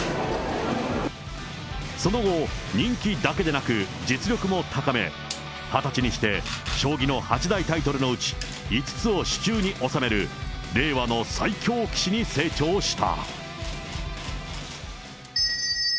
その後、人気だけでなく、実力も高め、２０歳にして将棋の八大タイトルのうち、５つを手中に収める、令和の最強棋士に成長した。